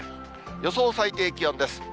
予想最低気温です。